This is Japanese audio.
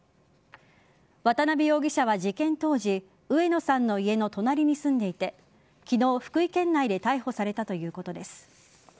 渡部容疑者は事件当時上野さんの家の隣に住んでいて昨日、福井県内で逮捕されたということです。